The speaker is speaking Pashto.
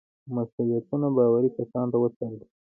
مسئولیتونه باوري کسانو ته وسپارل شي.